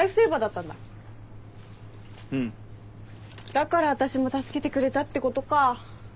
だから私も助けてくれたってことか。